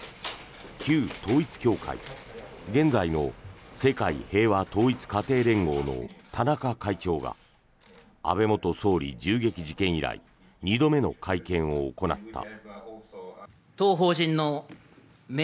旧統一教会現在の世界平和統一家庭連合の田中会長が安倍元総理銃撃事件以来２度目の会見を行った。